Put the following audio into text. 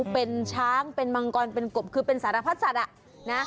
เป็นช้างเป็นมังกรเป็นกบคือเป็นสารพัดสัตว์นะ